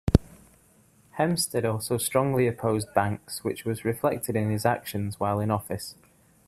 Hempstead also strongly opposed banks, which was reflected in his actions while in office.